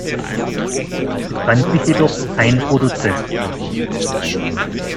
Es fand sich jedoch kein Produzent.